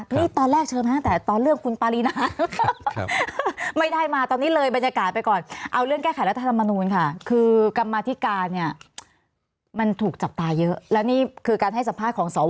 นี่ตอนแรกเชิญมาตั้งแต่ตอนเรื่องคุณปารีนาน